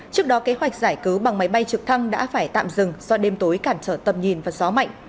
trước đó kế hoạch giải cứu bằng máy bay trực thăng đã phải tạm dừng do đêm tối cản trở tầm nhìn và gió mạnh